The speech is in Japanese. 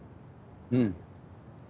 うん。